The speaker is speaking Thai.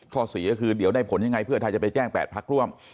๔ก็คือเดี๋ยวได้ผลยังไงเพื่อไทยจะไปแจ้ง๘พักร่วม